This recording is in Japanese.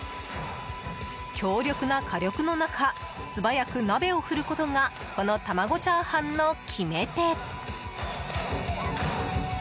強力な火力の中素早く鍋を振ることがこの玉子チャーハンの決め手。